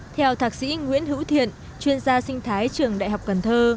theo thạc sĩ nguyễn hữu thiện chuyên gia sinh thái trường đại học cần thơ